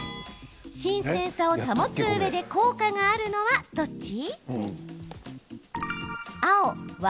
新鮮さを保つうえで効果があるのはどっち？